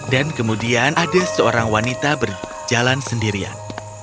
dan kemudian ada seorang wanita berjalan sendirian